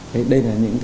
đây là những phương thức